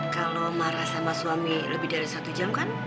kalau marah sama suami lebih dari satu jam kan